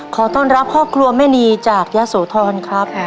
ขอต้อนรับพ่อครัวแม่นีจากยาสูทรครับ